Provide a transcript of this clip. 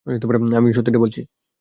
আমি সত্যিটা বলছি।